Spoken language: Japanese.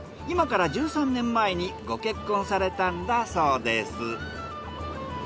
今から１３年前にご結婚されたんだそうです。